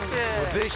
ぜひ！